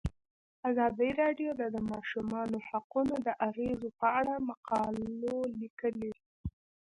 ازادي راډیو د د ماشومانو حقونه د اغیزو په اړه مقالو لیکلي.